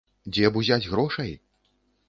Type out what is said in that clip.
Дзе б узяць грошай?